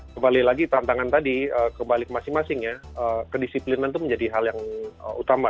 kembali lagi tantangan tadi kebalik masing masing ya kedisiplinan itu menjadi hal yang utama